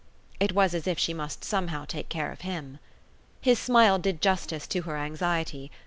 It was as if she must somehow take care of him. His smile did justice to her anxiety.